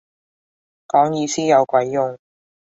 講意思有鬼用